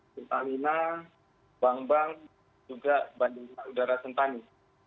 ketamina bangbang juga bandung udara sentani